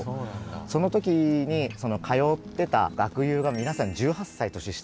その時に通ってた学友が皆さん１８歳年下で。